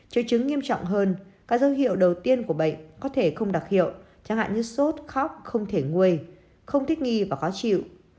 triệu chứng nghiêm trọng hơn các dấu hiệu đầu tiên của bệnh có thể không đặc hiệu chẳng hạn như sốt khóc không thể nguôi không thích nghi và khó chịu